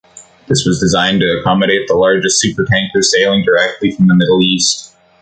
This was designed to accommodate the largest supertankers sailing directly from the Middle East.